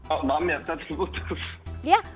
oh maaf ya tadi putus